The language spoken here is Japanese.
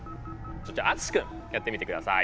じゃあ篤志くんやってみてください。